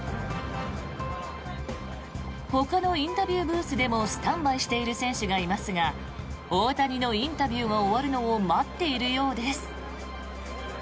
ほかのインタビューブースでもスタンバイしている選手がいますが大谷のインタビューが終わるのを待っているようです。